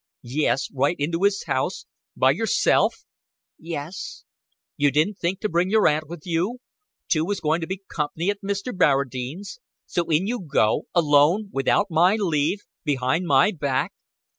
"Yes, right into his house. By yourself?" "Yes." "You didn't think to bring your aunt with you. Two was to be comp'ny at Mr. Barradine's. So in you go alone without my leave behind my back."